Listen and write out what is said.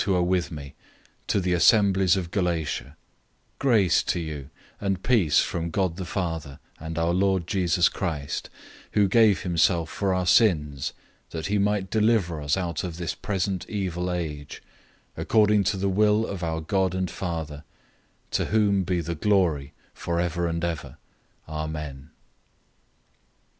"} who are with me, to the assemblies of Galatia: 001:003 Grace to you and peace from God the Father, and our Lord Jesus Christ, 001:004 who gave himself for our sins, that he might deliver us out of this present evil age, according to the will of our God and Father 001:005 to whom be the glory forever and ever. Amen.